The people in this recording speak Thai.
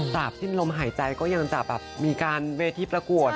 จากผ้านลมหายใจก็ยังจะมีการเวทีปรากฏ